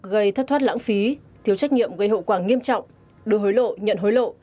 gây thất thoát lãng phí thiếu trách nhiệm gây hậu quả nghiêm trọng đưa hối lộ nhận hối lộ